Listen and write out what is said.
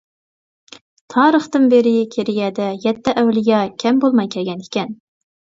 تارىختىن بىرى كېرىيەدە يەتتە ئەۋلىيا كەم بولماي كەلگەن ئىكەن.